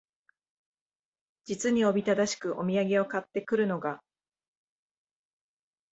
実におびただしくお土産を買って来るのが、